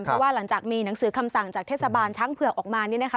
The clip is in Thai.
เพราะว่าหลังจากมีหนังสือคำสั่งจากเทศบาลช้างเผือกออกมานี่นะคะ